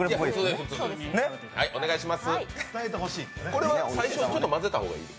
これは最初、ちょっとまぜた方がいい？